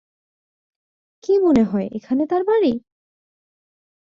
কি মনে হয় এখানে তার বাড়ি?